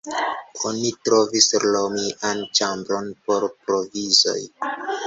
Oni trovis romian ĉambron por provizoj.